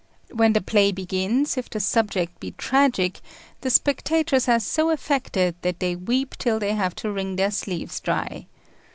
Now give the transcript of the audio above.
When the play begins, if the subject be tragic the spectators are so affected that they weep till they have to wring their sleeves dry.